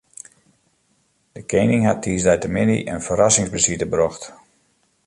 De kening hat tiisdeitemiddei in ferrassingsbesite brocht.